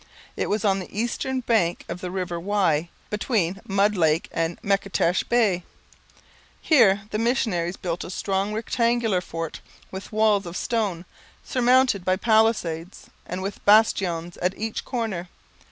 It was on the eastern bank of the river Wye between Mud Lake and Matchedash Bay. Here the missionaries built a strong rectangular fort with walls of stone surmounted by palisades and with bastions at each corner.